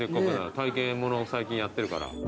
体験もの最近やってるから。